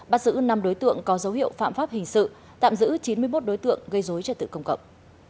bắt giữ năm đối tượng có dấu hiệu phạm pháp hình sự tạm giữ chín mươi một đối tượng gây dối trật tự công cộng